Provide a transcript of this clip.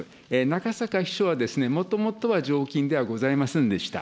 なかさか秘書は、もともとは常勤ではございませんでした。